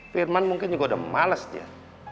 firman mungkin juga udah males dia